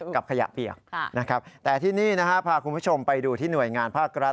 กับขยะเปียกนะครับแต่ที่นี่นะฮะพาคุณผู้ชมไปดูที่หน่วยงานภาครัฐ